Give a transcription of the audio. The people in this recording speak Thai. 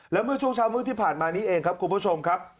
แล้วเมื่อช่วงเช้ามืดที่ผ่านมานี้เองครับคุณผู้ชมครับ